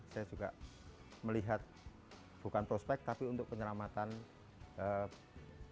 saya juga melihat bukan prospek tapi untuk penyelamatan